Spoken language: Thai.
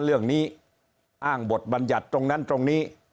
เรื่องนี้อ้างบทบัญญัติตรงนั้นตรงนี้